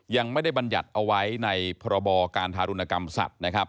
ยังไม่ได้บรรยัติเอาไว้ในพรบการทารุณกรรมสัตว์นะครับ